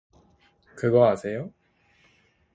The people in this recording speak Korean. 그거 아세요?